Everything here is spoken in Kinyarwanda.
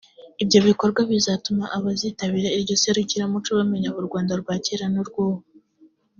Ibyo bikorwa bizatuma abazitabira iryo serukiramuco bamenya u Rwanda rwa kera n’urw’ubu